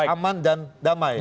aman dan damai